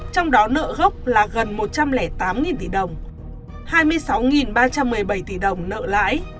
trong đó nợ gốc là gần một trăm linh tám tỷ đồng hai mươi sáu ba trăm một mươi bảy tỷ đồng nợ lãi